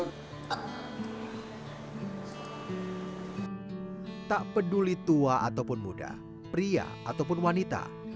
semuanya akan mencapai kemampuan untuk mencapai kemampuan untuk mencapai kemampuan untuk mencapai